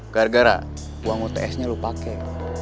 gara gara uang uts nya lo pakai